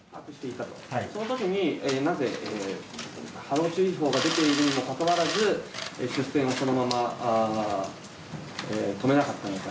その時になぜ、波浪注意報が出ているにもかかわらず出船はそのまま止めなかったのか。